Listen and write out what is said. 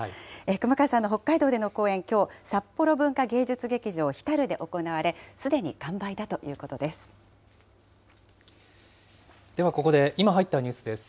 熊川さんの北海道での公演、きょう、札幌文化芸術劇場ｈｉｔａｒｕで行われ、すでに完売だということです。